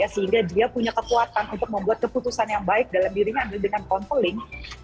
sehingga dia punya kekuatan untuk membuat keputusan yang baik dalam dirinya adalah dengan counseling